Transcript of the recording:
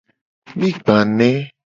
Mi gba ne.